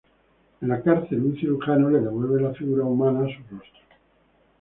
En la cárcel un cirujano le devuelve la figura humana a su rostro.